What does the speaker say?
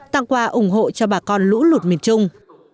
tăng qua ủng hộ cho bà con lũ lụt miền trung